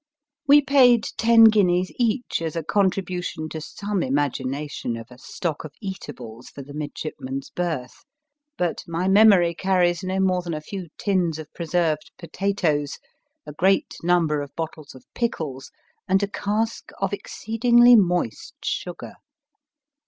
We paid ten guineas each as a contribution to some imagination of a I WAS A CHILD OF THIRTEEN CLARK RUSSELL 3 1 stock of eatables for the midshipmen s berth ; but my memory carries no more than a few tins of preserved potatoes, a great number of bottles of pickles, and a cask of exceedingly moist sugar.